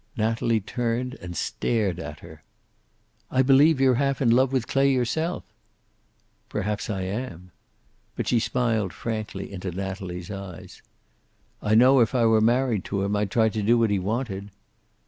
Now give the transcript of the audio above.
Natalie turned and stared at her. "I believe you're half in love with Clay yourself!" "Perhaps I am." But she smiled frankly into Natalie's eyes. "I know if I were married to him, I'd try to do what he wanted."